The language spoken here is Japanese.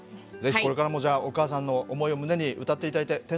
ぜひこれからもじゃあお母さんの思いを胸に歌って頂いて。